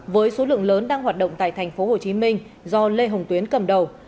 với số lượng lớn đang hoạt động tại tp hồ chí minh do lê hồng tuyến cầm đầu